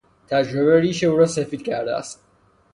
تجربه ریش او را سفید کرده است.